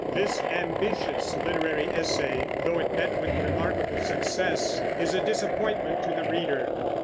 This ambitious literary essay, though it met with remarkable success, is a disappointment to the reader.